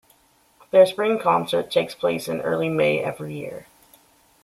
Their spring concert takes place in early May every year.